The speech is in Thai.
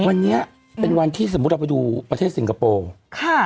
วันนี้เป็นวันที่สมมุติเราไปดูประเทศสิงคโปร์ค่ะ